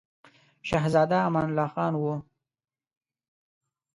شهزاده امان الله خان وو.